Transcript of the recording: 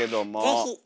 ぜひ！